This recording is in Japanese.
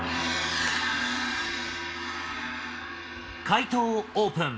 解答をオープン。